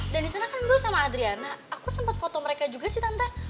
dan disana kan boy sama adriana aku sempet foto mereka juga sih tante